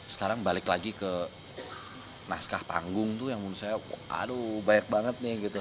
sekarang balik lagi ke naskah panggung tuh yang menurut saya aduh banyak banget nih gitu